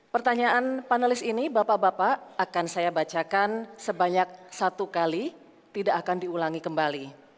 pertanyaan panelis ini bapak bapak akan saya bacakan sebanyak satu kali tidak akan diulangi kembali